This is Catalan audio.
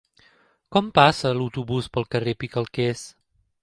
Quan passa l'autobús pel carrer Picalquers?